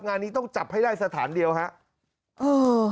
งานนี้ต้องจับให้ได้สถานเดียวครับ